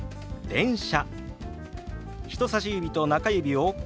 「電車」。